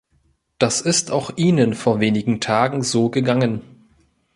Das ist auch Ihnen vor wenigen Tagen so gegangen.